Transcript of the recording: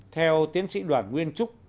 theo tiến sĩ đoàn nguyên trúc